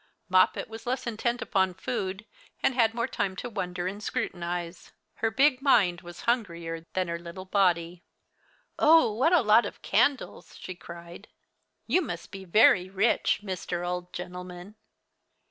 Moppet was less intent upon food, and had more time to wonder and scrutinize. Her big mind was hungrier than her little body. "Oh, what a lot of candles!" she cried. "You must be very rich, Mr. Old Gentleman."